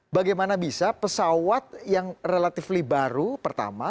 bagaimana bisa pesawat yang relatively baru pertama